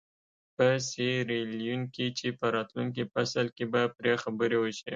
په سیریلیون کې چې په راتلونکي فصل کې به پرې خبرې وشي.